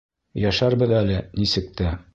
Йәшәрбеҙ әле нисек тә.